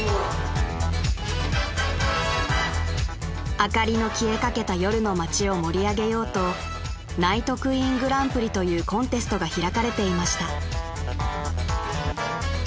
［明かりの消えかけた夜の街を盛り上げようとＮＩＧＨＴＱＵＥＥＮグランプリというコンテストが開かれていました］